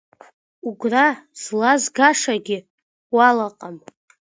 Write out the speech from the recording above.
Угәра злазгашагьы уалаҟам.